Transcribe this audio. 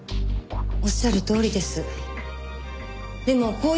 おっしゃるとおりです。